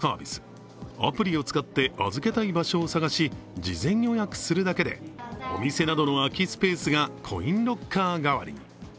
こちらのサービス、アプリを使って、預けたい場所を探し事前予約するだけで、お店などの空きスペースがコインロッカー代わりに。